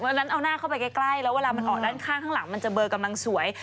อันนั้นเอาหน้าเข้าไปใกล้แล้วเวลามันออกด้านข้างข้างหลังมันจะเบอร์กำลังสวย